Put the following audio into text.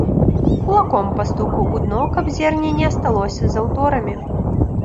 Кулаком пастукаў у дно, каб зерне не асталося за ўторамі.